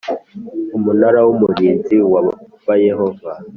Umunara w Umurinzi wa ba yehova